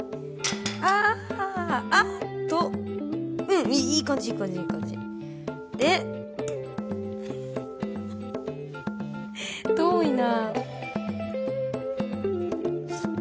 ああっとうんいいいい感じいい感じいい感じで遠いな